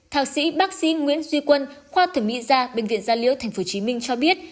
thạc sĩ bác sĩ nguyễn duy quân khoa thẩm mỹ gia bệnh viện gia liễu tp hcm cho biết